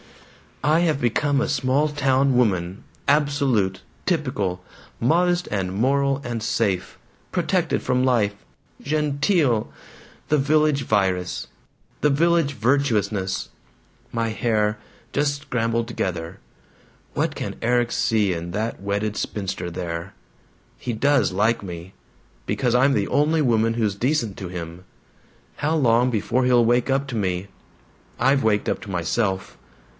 "I have become a small town woman. Absolute. Typical. Modest and moral and safe. Protected from life. GENTEEL! The Village Virus the village virtuousness. My hair just scrambled together. What can Erik see in that wedded spinster there? He does like me! Because I'm the only woman who's decent to him! How long before he'll wake up to me? ... I've waked up to myself.